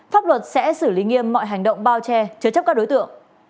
pháp luật sẽ xử lý nghiêm mọi hành động bao che chứa chấp các đối tượng